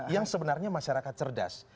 yang sebenarnya masyarakat cerdas